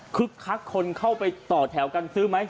คักคนเข้าไปต่อแถวกันซื้อไหม